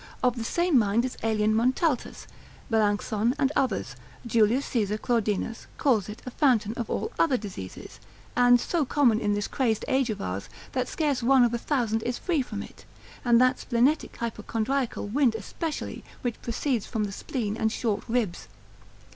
Of the same mind is Aelian Montaltus, Melancthon, and others; Julius Caesar Claudinus calls it the fountain of all other diseases, and so common in this crazed age of ours, that scarce one of a thousand is free from it; and that splenetic hypochondriacal wind especially, which proceeds from the spleen and short ribs.